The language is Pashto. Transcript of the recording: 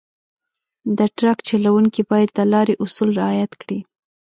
د ټرک چلونکي باید د لارې اصول رعایت کړي.